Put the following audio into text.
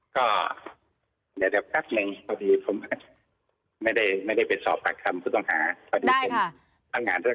ก็เดี๋ยวครับหนึ่งพอดีผมไม่ได้ไปสอบผ่านคำผู้ต่างหา